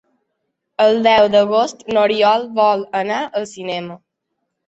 El deu d'agost n'Oriol vol anar al cinema.